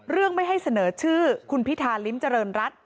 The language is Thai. ไม่ให้เสนอชื่อคุณพิธาริมเจริญรัฐ